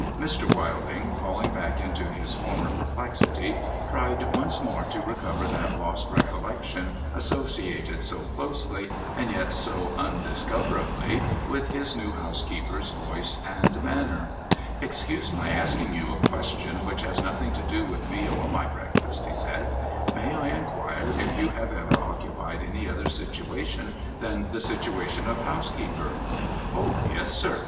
Mr. Wilding, falling back into his former perplexity, tried once more to recover that lost recollection, associated so closely, and yet so undiscoverably, with his new housekeeper's voice and manner. ' Excuse my asking you a question which has nothing to do with me or my breakfast,' he said, ' May I inquire if you have ever occupied any other situation than the situation of housekeeper ?'' O yes, sir.